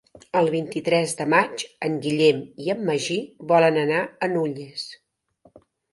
El vint-i-tres de maig en Guillem i en Magí volen anar a Nulles.